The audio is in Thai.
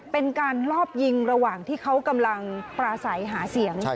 เป็นการลอบยิงระหว่างที่เขากำลังปราศัยหาเสียง